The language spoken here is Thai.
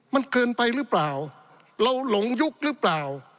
มันเกินไปหรือเปล่าเราหลงยุคหรือเปล่า